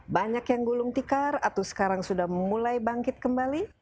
banyak yang gulung tikar atau sekarang sudah mulai bangkit kembali